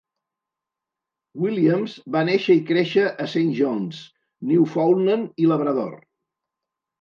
Williams va néixer i créixer a Saint John's, Newfoundland i Labrador.